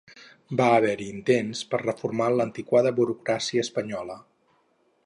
Va haver-hi intents per a reformar l'antiquada burocràcia espanyola.